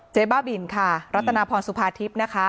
บ้าบินค่ะรัตนาพรสุภาทิพย์นะคะ